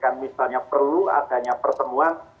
kan misalnya perlu adanya pertemuan